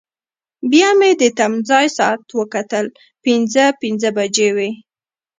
بیا مې د تمځای ساعت وکتل، پنځه پنځه بجې وې.